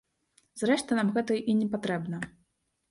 Зрэшты нам гэта й не патрэбна.